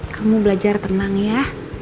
kamu belajar tenang ya